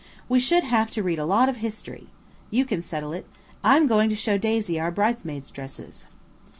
"We should have to read a lot of history. You can settle it. I'm going to show Daisy our bridesmaids' dresses."